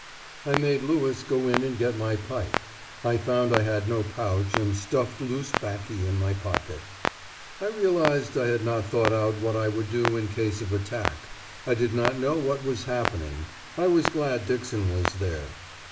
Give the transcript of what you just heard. I made Lewis go in and get my pipe. I found I had no pouch, and stuffed loose baccy in my pocket. I realised I had not thought out what I would do in case of attack. I did not know what was happening. I was glad Dixon was there....